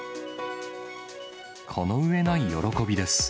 このうえない喜びです。